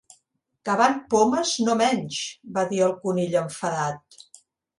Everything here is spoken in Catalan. "Cavant pomes, no menys!" va dir el Conill enfadat.